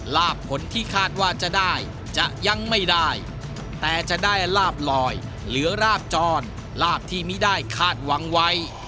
ลาบผลที่คาดว่าจะได้จะยังไม่ได้แต่จะได้ลาบลอยเหลือราบจรลาบที่ไม่ได้คาดหวังไว้